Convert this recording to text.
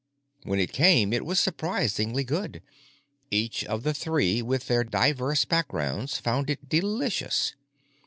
When it came it was surprisingly good; each of the three, with their diverse backgrounds, found it delicious.